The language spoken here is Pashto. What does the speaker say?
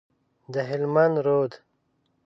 د هلمند رود،